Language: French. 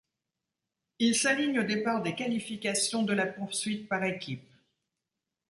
Il s'aligne au départ des qualifications de la poursuite par équipes.